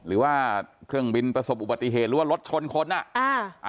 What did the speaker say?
หรือว่าเครื่องบินประสบอุบัติเหตุหรือว่ารถชนคนอ่ะอ่า